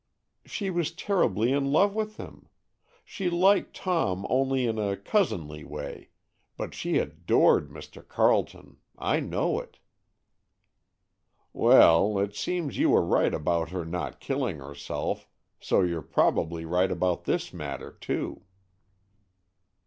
"She was terribly in love with him. She liked Tom only in a cousinly way, but she adored Mr. Carleton. I know it." "Well, it seems you were right about her not killing herself, so you're probably right about this matter, too."